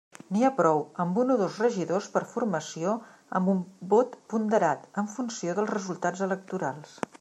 N'hi ha prou amb un o dos regidors per formació amb un vot ponderat en funció dels resultats electorals.